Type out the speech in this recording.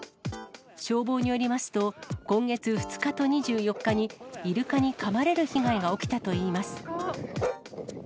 消防によりますと、今月２日と２４日にイルカにかまれる被害が起きたといいます。